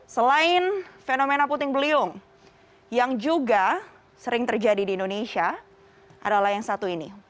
selain fenomena puting beliung yang juga sering terjadi di indonesia adalah yang satu ini